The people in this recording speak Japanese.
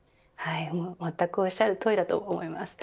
まったくおっしゃるとおりだと思います。